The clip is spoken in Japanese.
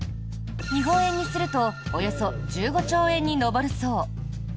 日本円にするとおよそ１５兆円に上るそう。